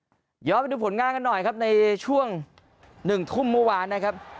ย้อนไปดูผลงานกันหน่อยครับในช่วงหนึ่งทุ่มเมื่อวานนะครับ